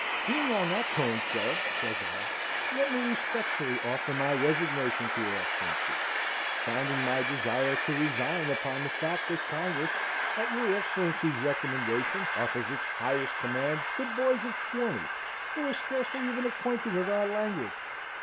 "'Being on that tone, sir,' says I, 'let me respectfully offer my resignation to your Excellency, founding my desire to resign upon the fact, that Congress, at your Excellency's recommendation, offers its highest commands to boys of twenty, who are scarcely even acquainted with our language.'